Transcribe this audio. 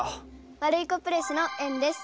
ワルイコプレスのえんです。